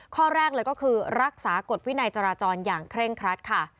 ข้อแรกเลยก็คือรักษากฎวินัยจราจรอย่างเคร่งครัดค่ะ